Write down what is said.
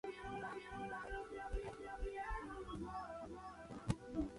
Este amor insatisfecho inspirará sus libros "Donde habite el olvido" y "Los placeres prohibidos".